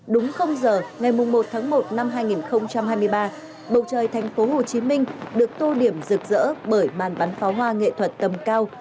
đúng không giờ ngày một tháng một năm hai nghìn hai mươi ba bầu trời thành phố hồ chí minh được tô điểm rực rỡ bởi màn bắn pháo hoa nghệ thuật tầm cao